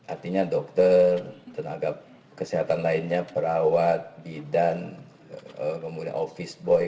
artinya dokter tenaga kesehatan lainnya perawat bidan kemudian office boy